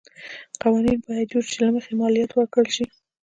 قوانین باید جوړ شي چې له مخې یې مالیات ورکړل شي.